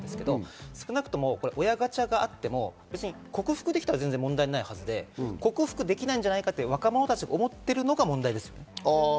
少なくとも親ガチャがあっても克服できたら問題ないはずで、克服できないんじゃないかという若者たちが思っていることが問題です。